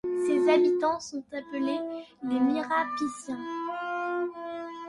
Ses habitants sont appelés les Mirapiciens.